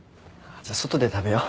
じゃあ外で食べよう。